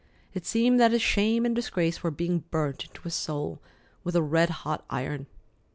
It seemed that his shame and disgrace were being burnt into his soul with a red hot iron.